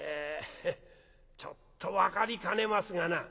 ちょっと分かりかねますがな」。